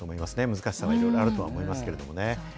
難しさはいろいろあると思いますけれどもね。